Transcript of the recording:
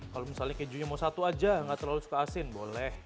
kalau misalnya kejunya mau satu aja nggak terlalu suka asin boleh